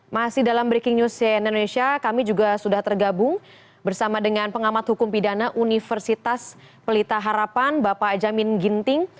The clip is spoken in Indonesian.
masih dalam breaking news cnn indonesia kami juga sudah tergabung bersama dengan pengamat hukum pidana universitas pelita harapan bapak jamin ginting